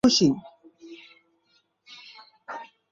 জীবনে আদির মতো একজন ভালো মানুষকে পেয়ে আমি অনেক অনেক খুশি।